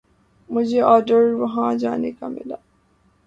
مجھے آرڈر وہاں جانے کا ملا۔